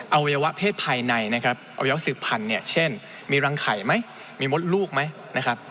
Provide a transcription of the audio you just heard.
อวัยวะเพศภายในนะครับอวัยวะสืบพันธุ์เนี่ยเช่นมีรังไข่ไหมมีมดลูกไหมนะครับ